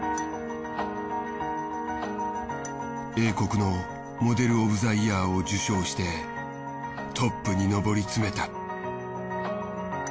英国の「モデル・オブ・ザ・イヤー」を受賞してトップに上りつめた。